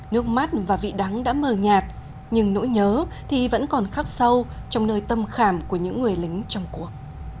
nước mắt và vị đắng đã mờ nhạt nhưng nỗi nhớ thì vẫn còn khắc sâu trong nơi tâm khảm của những người lính trong cuộc